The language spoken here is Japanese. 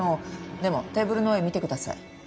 でもテーブルの上見てください。